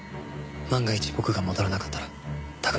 万が一僕が戻らなかったら拓海さんは外に。